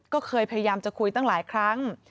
ก็เคยพยายามจะคุยตั้งหลายครั้ง